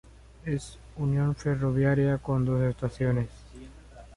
Es unión ferroviaria con dos estaciones.